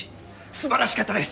素晴らしかったです！